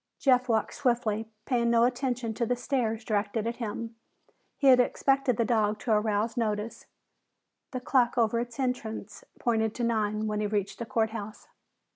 Jeff walked swiftly, paying no attention to the stares directed at him. He had expected the dog to arouse notice. The clock over its entrance pointed to nine when he reached the court house.